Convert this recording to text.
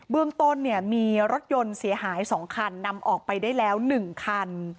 เรื่องต้นมีรถยนต์เสียหาย๒คันนำออกไปได้แล้ว๑คัน